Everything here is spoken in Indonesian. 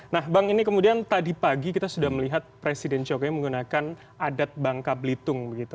nah bang ini kemudian tadi pagi kita sudah melihat presiden jokowi menggunakan adat bangka belitung begitu